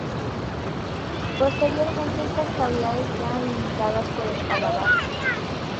Posteriormente estas cavidades quedan limitadas por el paladar.